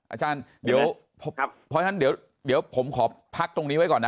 อาจารย์เดี๋ยวผมขอพักตรงนี้ไว้ก่อนนะ